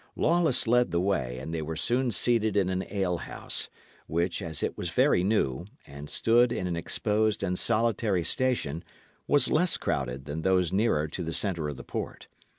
Lawless led the way, and they were soon seated in an alehouse, which, as it was very new, and stood in an exposed and solitary station, was less crowded than those nearer to the centre of the port.